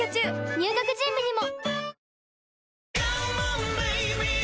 入学準備にも！